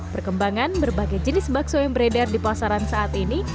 perkembangan berbagai jenis bakso yang beredar di pasaran saat ini